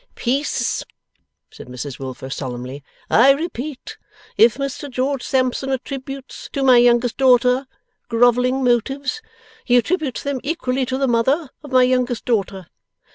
') 'Peace!' said Mrs Wilfer, solemnly. 'I repeat, if Mr George Sampson attributes, to my youngest daughter, grovelling motives, he attributes them equally to the mother of my youngest daughter.